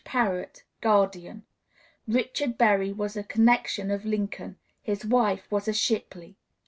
PARROTT, Guardian." Richard Berry was a connection of Lincoln; his wife was a Shipley.